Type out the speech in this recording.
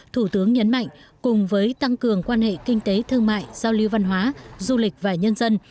thủ tướng nhấn mạnh cùng với tăng cường quan hệ kinh tế thương mại giao lưu văn hóa du lịch và nhân dân